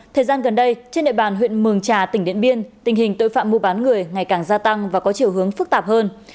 thời gian gần đây trên địa bàn huyện mường trà tỉnh điện biên tình hình tội phạm mua bán người ngày càng gia tăng và có chiều hướng phức tạp hơn